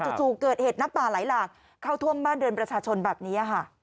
จู่เกิดเหตุนักป่าหลายหลากเข้าท่วงบ้านเดินประชาชนแบบนี้